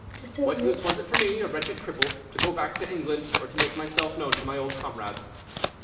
What use was it for me, a wretched cripple, to go back to England or to make myself known to my old comrades?